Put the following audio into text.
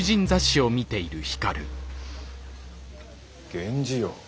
源氏よ